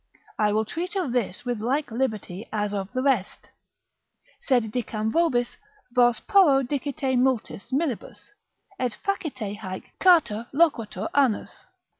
I will treat of this with like liberty as of the rest. Sed dicam vobis, vos porro dicite multis Millibus, et facite haec charta loquatur anus.